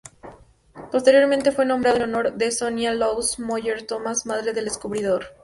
Posteriormente fue nombrado en honor de Sonia Louise Moeller-Thomas, madre del descubridor.